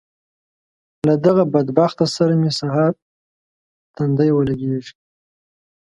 له دغه بدبخته سره مې سهار تندی ولګېږي.